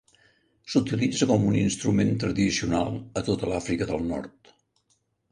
S'utilitza com un instrument tradicional a tota l'Àfrica del Nord.